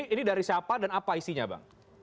ini dari siapa dan apa isinya bang